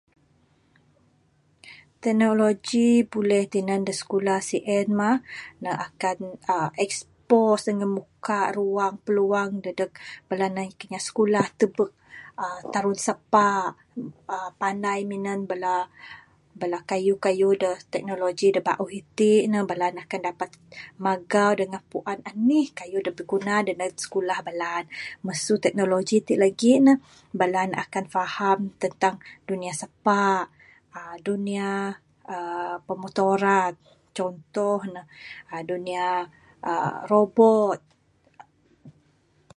Teknologi da buleh tinan da skulah sien mah ne akan expose dangan muka pluang pluang dadeg anak inya skulah tubek tarun sapa. Panai minan bala kayuh kayuh da teknologi da bauh iti ne da bala ne akan dapat magau dangan puan anih kayuh da biguna da skulah bala ne masu teknologi ti lagi ne bala ne akan faham tentang dunia sapa uhh dunia uhh pemotoran contoh ne Dunia uhh robot.